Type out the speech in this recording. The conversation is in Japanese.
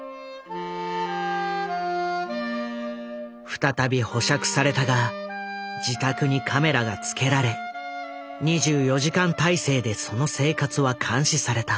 再び保釈されたが自宅にカメラが付けられ２４時間体制でその生活は監視された。